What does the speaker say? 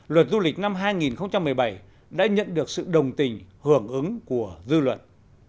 luật du lịch năm hai nghìn một mươi bảy đã nhận được sự đồng tình hưởng ứng của dư luận